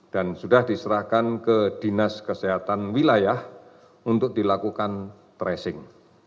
dan sudah diserahkan ke dinas kesehatan wilayah untuk dilakukan tracing